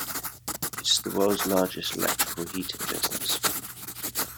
It is the world's largest electrical heating business.